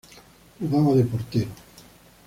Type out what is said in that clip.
Jugaba de portero.